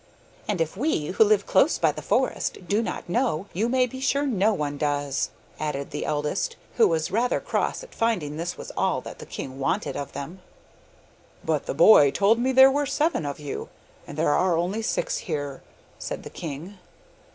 'And if we, who live close by the forest, do not know, you may be sure no one does,' added the eldest, who was rather cross at finding this was all that the king wanted of them. 'But the boy told me there were seven of you, and there are only six here,' said the king.